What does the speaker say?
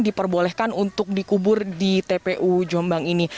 diperbolehkan untuk dikubur di tpu jombang ini